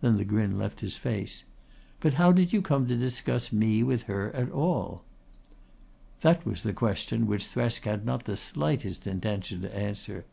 Then the grin left his face. "But how did you come to discuss me with her at all?" That was a question which Thresk had not the slightest intention to answer.